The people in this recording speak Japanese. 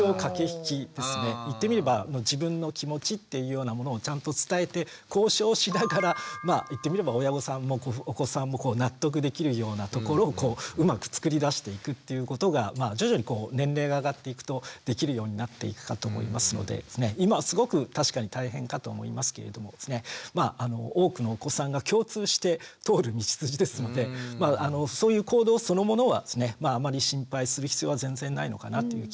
言ってみれば自分の気持ちっていうようなものをちゃんと伝えて交渉しながら言ってみれば親御さんもお子さんも納得できるようなところをうまくつくり出していくっていうことが徐々に年齢が上がっていくとできるようになっていくかと思いますので今はすごく確かに大変かと思いますけれどもまあ多くのお子さんが共通して通る道筋ですのでそういう行動そのものはですねあまり心配する必要は全然ないのかなという気はします。